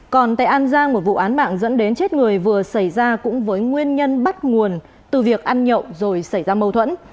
còn tại an giang một vụ án mạng dẫn đến chết người vừa xảy ra cũng với nguyên nhân bắt nguồn từ việc ăn nhậu rồi xảy ra mâu thuẫn